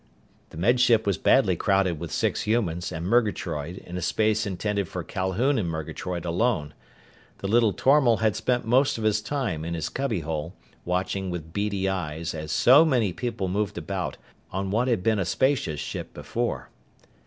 _" The Med Ship was badly crowded with six humans and Murgatroyd in a space intended for Calhoun and Murgatroyd alone. The little tormal had spent most of his time in his cubbyhole, watching with beady eyes as so many people moved about on what had been a spacious ship before.